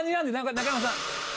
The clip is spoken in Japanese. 中山さん！